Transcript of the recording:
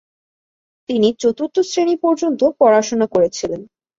তিনি চতুর্থ শ্রেণি পর্যন্ত পড়াশোনা করেছিলেন।